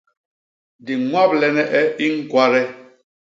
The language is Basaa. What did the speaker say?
Di ñwablene e i ñkwade.